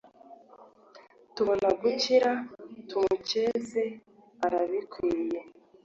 tubona gukira, tumukeze arabikwiye